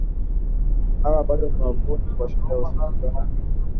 Hawa, bado ni wavune, kwa shida waikutayo